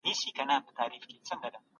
موږ باید د هر کتاب ارزښت وپېژنو.